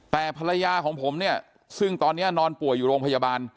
แต่ภรรยาของผมเนี่ยซึ่งตอนนี้นอนป่วยอยู่โรงพยาบาล